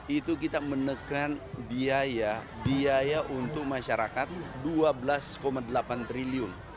itu kita menekan biaya biaya untuk masyarakat dua belas delapan triliun